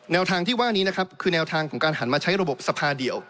ทางที่ว่านี้นะครับคือแนวทางของการหันมาใช้ระบบสภาเดียว